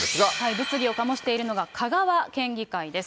物議を醸しているのが香川県議会です。